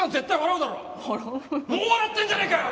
もう笑ってんじゃねえかよ！